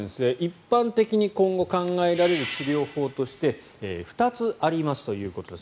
一般的に今後、考えられる治療法として２つありますということです。